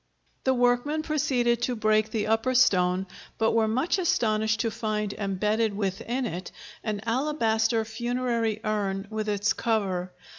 The workmen proceeded to break the upper stone, but were much astonished to find embedded within it an alabaster funerary urn with its cover.